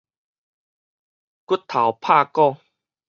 骨頭拍鼓